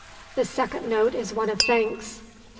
The second note is one of thanks.